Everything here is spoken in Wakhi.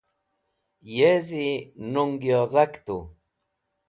yezi nung yodak tu